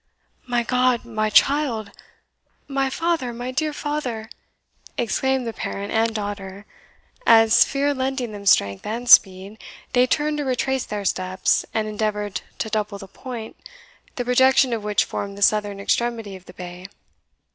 "My God, my child!" "My father! my dear father!" exclaimed the parent and daughter, as, fear lending them strength and speed, they turned to retrace their steps, and endeavoured to double the point, the projection of which formed the southern extremity of the bay.